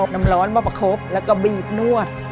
อ้อนำร้อนเมื่อเขามาพกแล้วก็บีบนวด